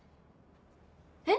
えっ？